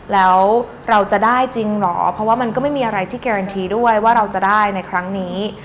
แล้วเราจะได้จริงเหรอเพราะว่ามันก็ไม่มีอะไรที่การันทีด้วยว่าเราจะได้ในครั้งนี้